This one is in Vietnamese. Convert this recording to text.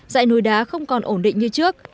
dãy núi đá không còn ổn định như trước